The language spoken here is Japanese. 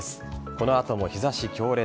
この後も日差し強烈。